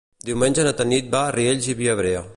Diumenge na Tanit va a Riells i Viabrea.